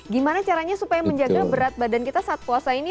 gimana caranya supaya menjaga berat badan kita saat puasa ini